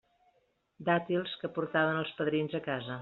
Dàtils que portaven els padrins a casa.